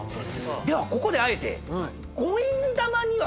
ではここであえて。